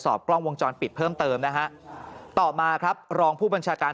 กล้องวงจรปิดเพิ่มเติมนะฮะต่อมาครับรองผู้บัญชาการ